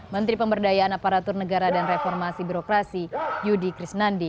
menteri pemberdayaan aparatur negara dan reformasi birokrasi yudi krisnandi